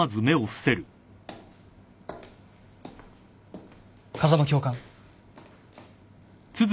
風間教官。